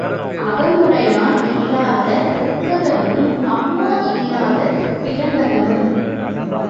அகமுடையான் இல்லாத புக்ககமும் அம்மா இல்லாத பிறந்தகமும்.